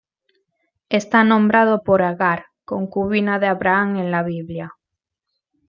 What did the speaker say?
Está nombrado por Agar, concubina de Abraham en la Biblia.